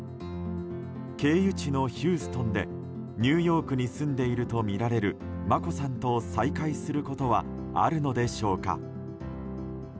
経由地のヒューストンでニューヨークに住んでいるとみられる眞子さんと再会することはあるのでしょうか。